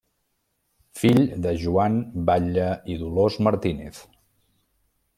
Fill de Joan Batlle i Dolors Martínez.